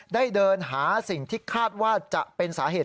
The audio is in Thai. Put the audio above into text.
ได้เดินหาสิ่งที่คาดว่าจะเป็นสาเหตุ